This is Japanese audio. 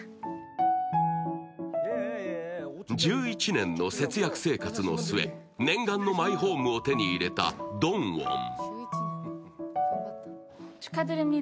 １１年の節約生活の末、念願のマイホームを手に入れたドンウォン。